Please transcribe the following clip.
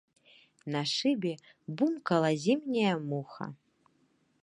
На шыбе бумкала зімняя муха.